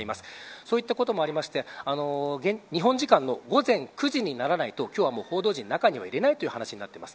そういったこともあって日本時間の午前９時にならないと今日は報道陣は中に入れないという話になっています。